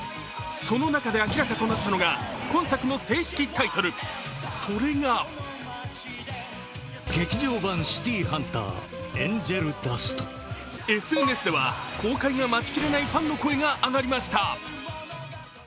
その中で明らかとなったのが今作の正式タイトル、それがＳＮＳでは、公開が待ちきれないファンの声が上がりました。